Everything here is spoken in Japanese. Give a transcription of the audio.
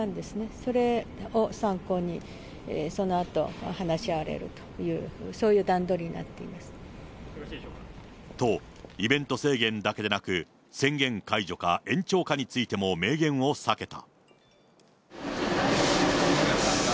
それを参考に、そのあと話し合われるという、と、イベント制限だけでなく、宣言解除か延長かについても明言を避けた。